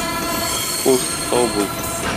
Хуш, сау бул!